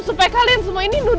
supaya kalian semua ini nuduh aku